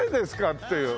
っていう。